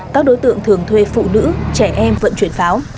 các đối tượng thường thuê phụ nữ trẻ em vận chuyển pháo